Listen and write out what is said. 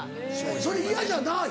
それ嫌じゃない？